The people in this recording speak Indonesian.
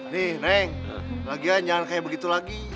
nih neng bagian jangan kayak begitu lagi